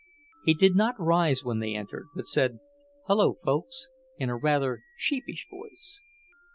He did not rise when they entered, but said, "Hello, folks," in a rather sheepish voice.